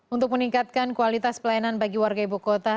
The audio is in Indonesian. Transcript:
untuk meningkatkan kualitas pelayanan bagi warga ibu kota